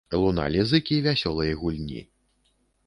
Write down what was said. Луналі зыкі вясёлай гульні.